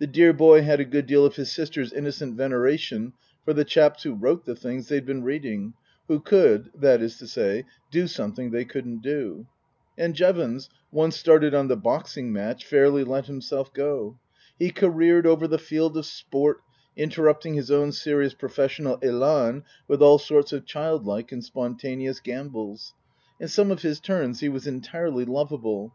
The dear boy had a good deal of his sister's innocent venera tion for the chaps who wrote the things they'd been reading, who could, that is to say, do something they couldn't do. And Jevons, once started on the boxing match, fairly let himself go. He careered over the field of sport, inter rupting his own serious professional elan with all sorts of childlike and spontaneous gambols. In some of his turns he was entirely lovable.